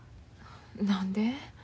何で？